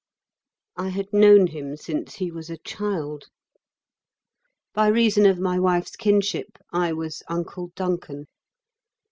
I had known him since he was a child. By reason of my wife's kinship, I was "Uncle Duncan."